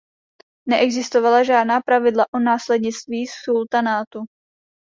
Neexistovala žádná pravidla o následnictví sultanátu.